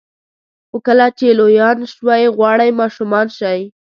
خو کله چې لویان شوئ غواړئ ماشومان شئ.